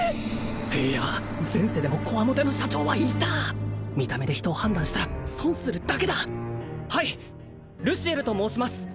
いや前世でも強面の社長はいた見た目で人を判断したら損するだけだはいルシエルと申します